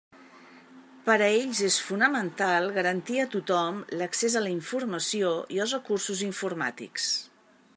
Per a ells és fonamental garantir a tothom l'accés a la informació i als recursos informàtics.